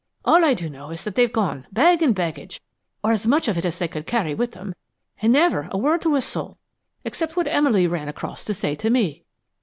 All I do know is that they've gone bag and baggage or as much of it as they could carry with them and never; a word to a soul except what Emily ran across to say to me."